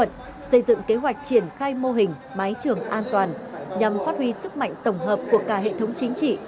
ban chỉ đạo một trăm ba mươi tám quận xây dựng kế hoạch triển khai mô hình máy trường an toàn nhằm phát huy sức mạnh tổng hợp của cả hệ thống chính trị